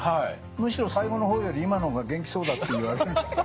むしろ最後の方より今の方が元気そうだって言われる。